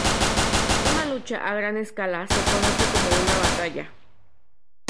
Una lucha a gran escala se conoce como una batalla.